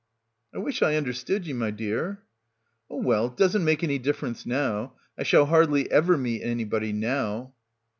"I wish I understood ye, my dear." "Oh well, it doesn't make any difference now. I shall hardly ever meet anybody now."